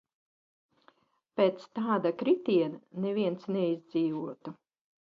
Pēc tāda kritiena neviens neizdzīvotu.